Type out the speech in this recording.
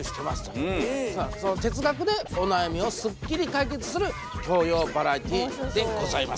哲学でお悩みをスッキリ解決する教養バラエティーでございます。